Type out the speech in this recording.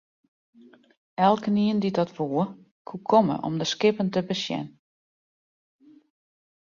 Elkenien dy't dat woe, koe komme om de skippen te besjen.